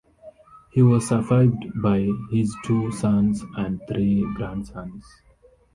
He was survived by his two sons and three grandsons.